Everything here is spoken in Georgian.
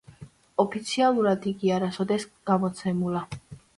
ოფიციალურად იგი არასოდეს გამოცემულა.